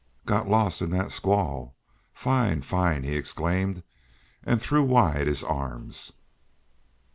"Got lost in that squall. Fine! Fine!" he exclaimed, and threw wide his arms.